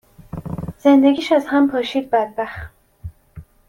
زندگیش از هم پاشید بدبخت.